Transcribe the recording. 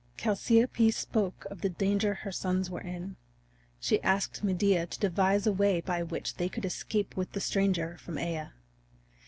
Chalciope spoke of the danger her sons were in. She asked Medea to devise a way by which they could escape with the stranger from Aea.